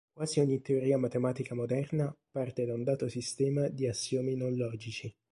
Quasi ogni teoria matematica moderna parte da un dato sistema di assiomi non-logici.